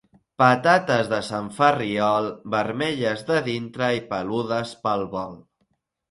Patates de Sant Ferriol, vermelles de dintre i peludes pel vol.